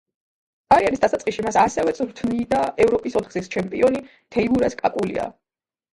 კარიერის დასაწყისში, მას ასევე წვრთნიდა ევროპის ოთხგზის ჩემპიონი თეიმურაზ კაკულია.